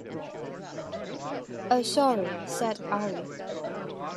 "Oh, sorry," said Ari.